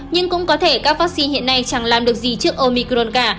nhưng cũng có thể các vaccine hiện nay chẳng làm được gì trước omicron cả